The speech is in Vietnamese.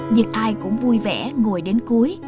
dịch ai cũng vui vẻ ngồi đến cuối